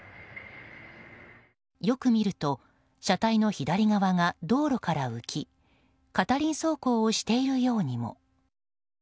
よく見ると車体の左側が道路から浮き片輪走行をしているようにも。